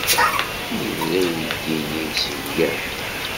Yebda uydi-nni yesseglaf.